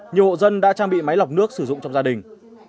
nhiều hộ dân đã trang bị máy lọc nước sử dụng trong gia đình